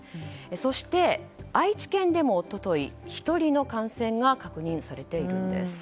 そして、愛知県でも一昨日１人の感染が確認されています。